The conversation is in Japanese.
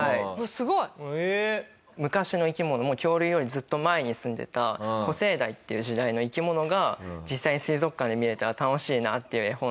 すごい！昔の生き物も恐竜よりずっと前にすんでた古生代っていう時代の生き物が実際に水族館で見れたら楽しいなっていう絵本で。